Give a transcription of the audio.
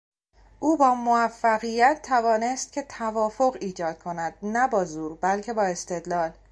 او با موفقیت توانست که توافق ایجاد کند نه با زور بلکه با استدلال.